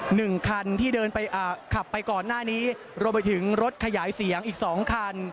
หนึ่งคันที่เดินไปอ่าขับไปก่อนหน้านี้รวมไปถึงรถขยายเสียงอีกสองคัน